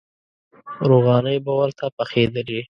روغانۍ به ورته پخېدلې.